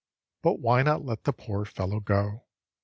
But why not let the poor fellow go?